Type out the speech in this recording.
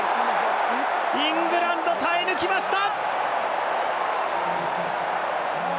イングランド、耐え抜きました！